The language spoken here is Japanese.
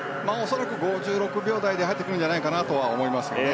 恐らく５６秒台で入ってくるんじゃないかなと思いますね。